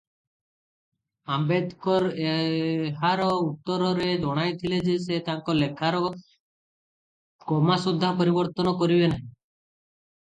"ଆମ୍ବେଦକର ଏହାର ଉତ୍ତରରେ ଜଣାଇଥିଲେ ଯେ ସେ ତାଙ୍କ ଲେଖାର "କମା ସୁଦ୍ଧା ପରିବର୍ତ୍ତନ କରିବେ ନାହିଁ" ।"